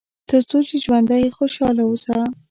تر څو چې ژوندی یې خوشاله اوسه.